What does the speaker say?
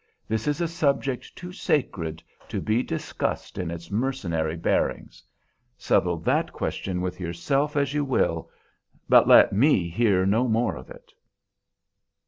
This is a subject too sacred to be discussed in its mercenary bearings; settle that question with yourself as you will, but let me hear no more of it."